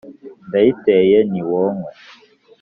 ndayiteye "niwonkwe"